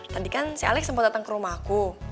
tadi kan si alex mpok dateng ke rumahku